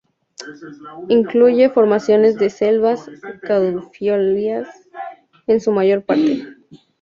Incluye formaciones de selvas caducifolias, en su mayor parte.